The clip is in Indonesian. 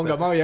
oh gak mau ya